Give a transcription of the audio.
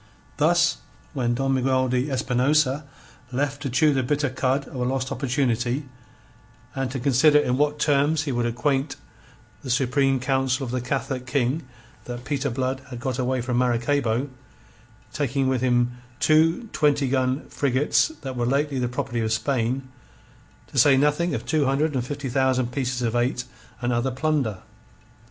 Thus was Don Miguel de Espinosa left to chew the bitter cud of a lost opportunity, and to consider in what terms he would acquaint the Supreme Council of the Catholic King that Peter Blood had got away from Maracaybo, taking with him two twenty gun frigates that were lately the property of Spain, to say nothing of two hundred and fifty thousand pieces of eight and other plunder.